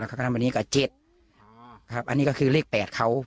แล้วก็ทำแบบนี้ก็๗อันนี้ก็คือเลข๘เขา